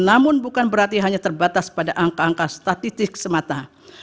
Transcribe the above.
namun bukan berarti hanya terbatas pada angka angka statistik semata